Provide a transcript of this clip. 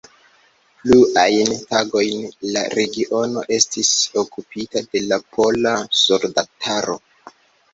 Pluajn tagojn la regiono estis okupita de la pola soldataro.